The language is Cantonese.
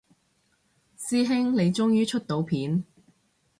師兄你終於出到片